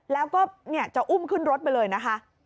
แล้วก็จะอุ้มขึ้นรถไปเลยนะคะ